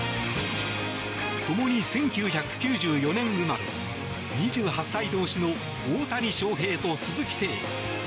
ともに１９９４年生まれ２８歳同士の大谷翔平と鈴木誠也。